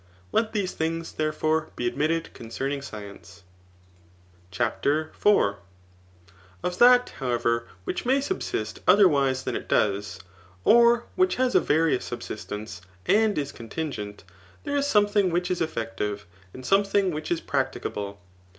Let these thin^, therefore, be admitted concerning science* CHAPTER IV, Of that, however, which may subsist otherwise than it does, [|or which has a various subsistence, and is con* tingent,] there is something which is eflfective, and some* thing which is practicable.